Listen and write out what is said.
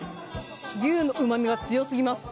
牛のうまみが強すぎます。